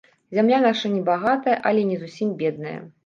Зямля наша не багатая, але і не зусім бедная.